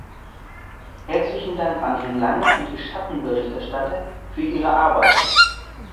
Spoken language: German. Herzlichen Dank an Herrn Lange und die Schattenberichterstatter für ihre Arbeit!